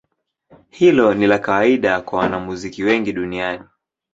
Hilo ni la kawaida kwa wanamuziki wengi duniani.